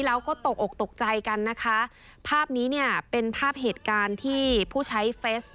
แล้วก็ตกอกตกใจกันนะคะภาพนี้เนี่ยเป็นภาพเหตุการณ์ที่ผู้ใช้เฟส